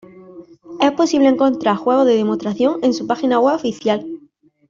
Es posible encontrar juegos de demostración en su página web oficial.